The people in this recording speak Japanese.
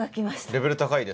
レベル高いですか？